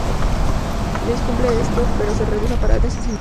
Jason cumple esto pero se rehúsa a parar de asesinar.